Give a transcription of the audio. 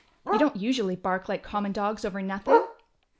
You don't usually bark like common dogs over nothing!"